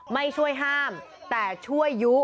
ไม่ช่วยห้ามแต่ช่วยยุ